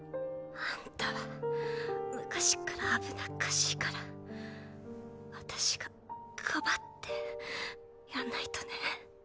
あんたは昔っから危なっかしいから私がかばってやんないとね。